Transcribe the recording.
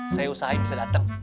saya usahain bisa dateng